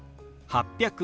８００。